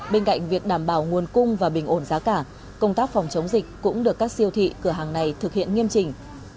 bên cạnh việc đảm bảo nguồn cung và bình ổn giá cả công tác phòng chống dịch cũng được các siêu thị cửa hàng này thực hiện nghiêm trình